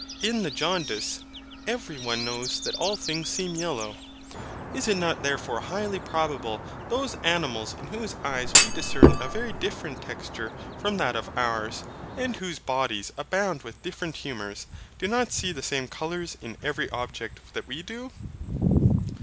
In the jaundice every one knows that all things seem yellow. Is it not therefore highly probable those animals in whose eyes we discern a very different texture from that of ours, and whose bodies abound with different humours, do not see the same colours in every object that we do?